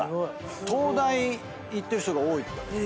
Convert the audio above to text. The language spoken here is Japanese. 東大行ってる人が多い。